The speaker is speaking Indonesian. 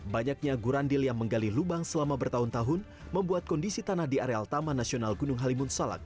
banyaknya gurandil yang menggali lubang selama bertahun tahun membuat kondisi tanah di areal taman nasional gunung halimun salak